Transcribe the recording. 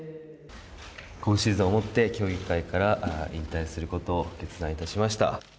今シーズンをもって競技会から引退することを決断いたしました。